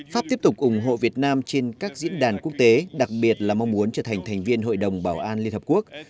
pháp tiếp tục ủng hộ việt nam trên các diễn đàn quốc tế đặc biệt là mong muốn trở thành thành viên hội đồng bảo an liên hợp quốc